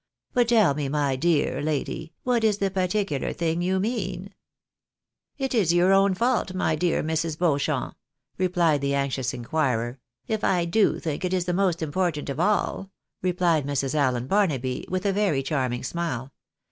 But tell me, my dear lady, what is the particular thing you mean ?"" It is your own fault, my dear Mrs. Beauchamp," replied the anxious inquirer, " if I do think it the most important of all," replied Mrs. Allen Barnaby, with a very charming smile.